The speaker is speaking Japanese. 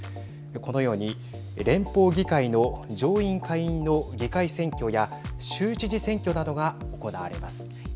このように連邦議会の上院下院の議会選挙や州知事選挙などが行われます。